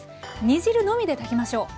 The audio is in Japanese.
煮汁のみで炊きましょう。